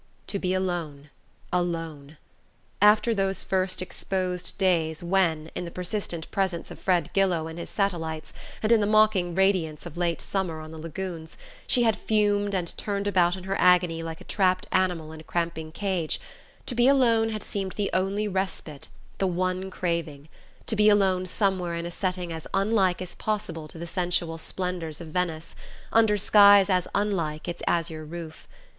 To be alone alone! After those first exposed days when, in the persistent presence of Fred Gillow and his satellites, and in the mocking radiance of late summer on the lagoons, she had fumed and turned about in her agony like a trapped animal in a cramping cage, to be alone had seemed the only respite, the one craving: to be alone somewhere in a setting as unlike as possible to the sensual splendours of Venice, under skies as unlike its azure roof.